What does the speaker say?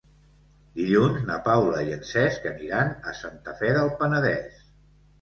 Dilluns na Paula i en Cesc aniran a Santa Fe del Penedès.